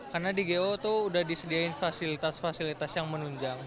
karena di go itu sudah disediakan fasilitas fasilitas yang menunjang